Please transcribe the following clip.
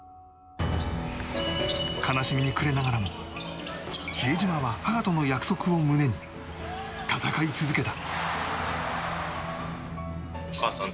悲しみに暮れながらも比江島は母との約束を胸に戦い続けた。